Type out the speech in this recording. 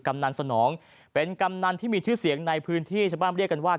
กำนันสนองเป็นกำนันที่มีชื่อเสียงในพื้นที่ชาวบ้านเรียกกันว่า